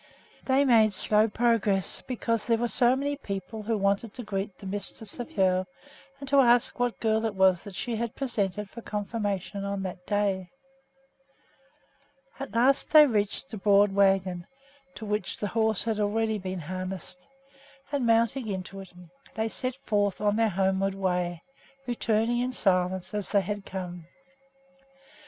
They made slow progress, because there were so many people who wanted to greet the mistress of Hoel and to ask what girl it was that she had presented for confirmation on that day. At last they reached the broad wagon, to which the horse had already been harnessed, and, mounting into it, they set forth on their homeward way, returning in silence, as they had come.